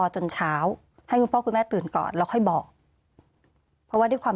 จนเช้าให้คุณพ่อคุณแม่ตื่นก่อนแล้วค่อยบอกเพราะว่าด้วยความ